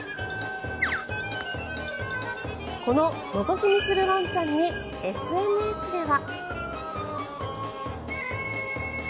こののぞき見するワンちゃんにＳＮＳでは。